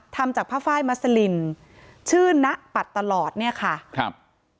ทำจากผ้าไฟมัสลินชื่อนะปัดตลอดเนี่ยค่ะครับ